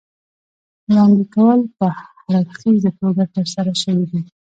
وړاندې کول په هراړخیزه توګه ترسره شوي دي.